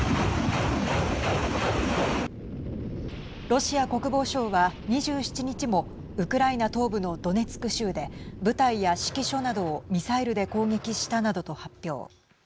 ロシア国防省は、２７日もウクライナ東部のドネツク州で部隊や指揮所などをミサイルで攻撃したなどと発表。